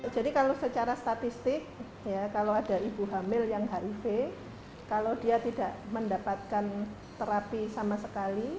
jadi kalau secara statistik kalau ada ibu hamil yang hiv kalau dia tidak mendapatkan terapi sama sekali